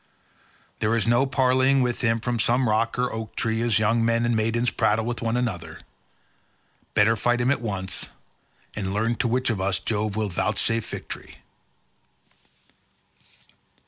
There is no parleying with him from some rock or oak tree as young men and maidens prattle with one another. Better fight him at once, and learn to which of us Jove will vouchsafe victory."